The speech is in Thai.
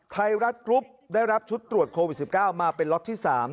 ไทยรัฐกรุ๊ปได้รับชุดตรวจโควิด๑๙มาเป็นล็อตที่๓